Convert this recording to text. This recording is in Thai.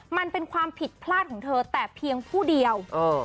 มันเป็นความผิดพลาดของเธอแต่เพียงผู้เดียว